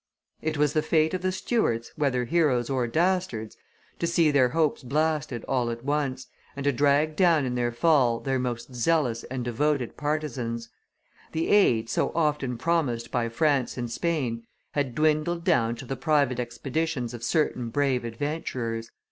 It was the fate of the Stuarts, whether heroes or dastards, to see their hopes blasted all at once, and to drag down in their fall their most zealous and devoted partisans. The aid, so often promised by France and Spain, had dwindled down to the private expeditions of certain brave adventurers.